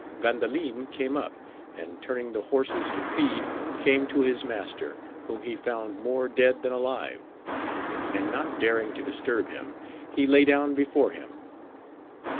Gandalin came up, and turning the horses to feed came to his master, whom he found more dead than alive ; and not daring to disturb him, he lay down before him.